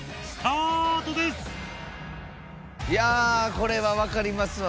これは分かりますわ。